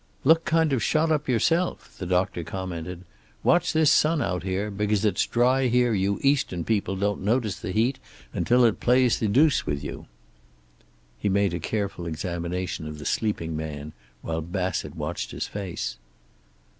"Look kind of shot up yourself," the doctor commented. "Watch this sun out here. Because it's dry here you Eastern people don't notice the heat until it plays the deuce with you." He made a careful examination of the sleeping man, while Bassett watched his face.